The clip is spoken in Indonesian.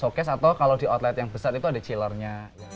shocase atau kalau di outlet yang besar itu ada chillernya